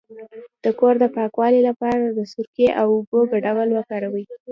د کور د پاکوالي لپاره د سرکې او اوبو ګډول وکاروئ